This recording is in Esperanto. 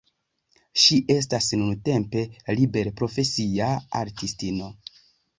Ŝi estas nuntempe liberprofesia artistino.